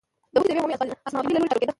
دوج د یوې عمومي اسامبلې له لوري ټاکل کېده.